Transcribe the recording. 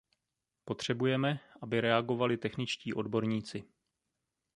Potřebujeme, aby reagovali techničtí odborníci.